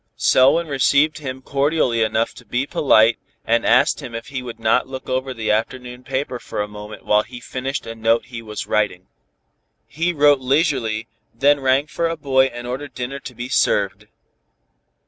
Selwyn received him cordially enough to be polite, and asked him if he would not look over the afternoon paper for a moment while he finished a note he was writing. He wrote leisurely, then rang for a boy and ordered dinner to be served.